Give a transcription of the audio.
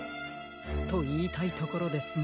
といいたいところですが。